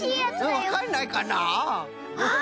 わかんないかな？